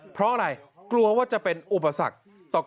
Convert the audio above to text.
เพราะอะไรกลัวว่าจะเป็นอุปสรรคต่อการ